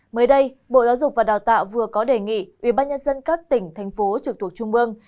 mới đây bộ giáo dục và đào tạo vừa có đề nghị ubnd các tỉnh thành phố trực thuộc trung ương